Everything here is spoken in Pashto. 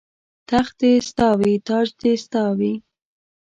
تخت دې ستا وي تاج دې ستا وي